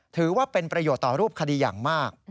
ถือว่าเป็นประโยชน์ต่อรูปคดีอย่างมาก